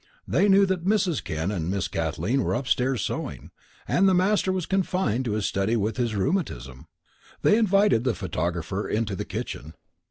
They knew that Mrs. Kent and Miss Kathleen were upstairs sewing; and the master was confined to his study with his rheumatism. They invited the photographer into the kitchen.